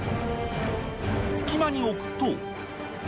隙間に置くと。